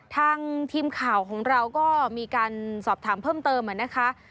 ทางทีมข่าวของเราก็มีการสอบถามเพิ่มเติมนะคะ